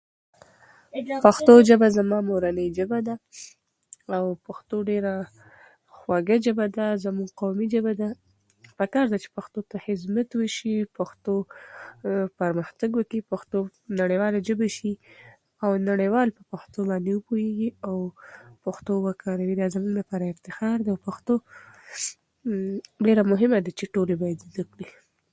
پښتو ژبه زما مورنۍ ژبه ده، او پښتو ډېره خوږه ژبه ده. زموږ قومي ژبه ده، زموږ قومي ژبه ده. پکار ده چې پښتو ته خدمت وشي، پښتو پرمختګ وکړي، پښتو نړیواله ژبه شي، او نړیوال په پښتو باندې وپوهېږي او پښتو وکاروي. دا زموږ لپاره افتخار ده، او پښتو ډېره مهمه ده چې ټول یې باید زده کړي.